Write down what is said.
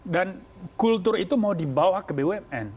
dan kultur itu mau dibawa ke bumn